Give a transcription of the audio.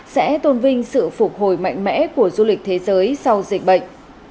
sẽ tôn vinh sự phục hồi mạnh mẽ của du lịch thế giới sau dịch bệnh